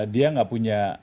dia nggak punya